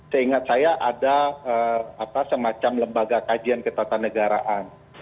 seingat saya ada semacam lembaga kajian ketatanegaraan